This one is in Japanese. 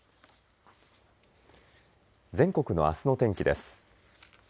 全国のあすの天気です。